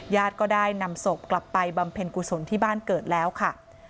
ญาติก็ได้นำศพกลับไปบำเพ็ญกุศลที่บ้านเกิดแล้วค่ะ